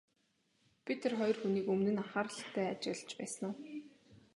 Би тэр хоёр хүнийг өмнө нь анхааралтай ажиглаж байсан уу?